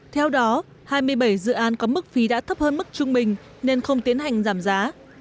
theo đó hai mươi bảy dự án có mức phí đã thấp hơn mức trung bình nên không tiến hành giảm giá